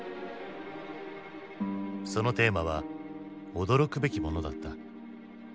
そのテーマは驚くべきものだった。